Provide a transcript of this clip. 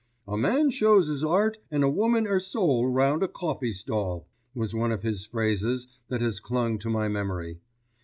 "A man shows 'is 'eart an' a woman 'er soul round a coffee stall," was one of his phrases that has clung to my memory.